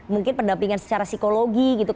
mungkin pendampingan secara psikologi gitu